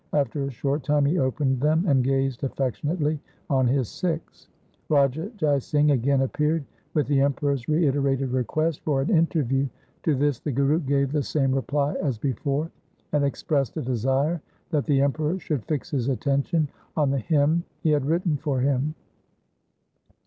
After a short time he opened them and gazed affectionately on his Sikhs. Raja Jai Singh again appeared with the Emperor's reiterated request for an interview. To this the Guru gave the same •reply as before, and expressed a desire that the Emperor should fix his attention on the hymn he had written for him.